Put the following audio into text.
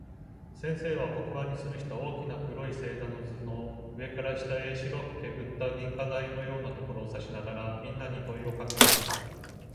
先生は、黒板に吊つるした大きな黒い星座の図の、上から下へ白くけぶった銀河帯のようなところを指さしながら、みんなに問といをかけました。